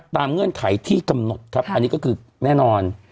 เงื่อนไขที่กำหนดครับอันนี้ก็คือแน่นอน